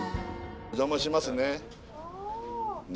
お邪魔しますね。